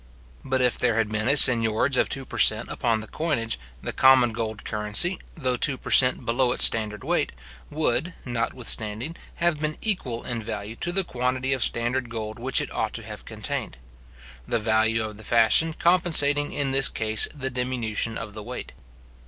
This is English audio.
But if there had been a seignorage of two per cent. upon the coinage, the common gold currency, though two per cent. below its standard weight, would, notwithstanding, have been equal in value to the quantity of standard gold which it ought to have contained; the value of the fashion compensating in this case the diminution of the weight.